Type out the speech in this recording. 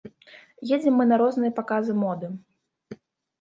Ездзім мы на розныя паказы моды.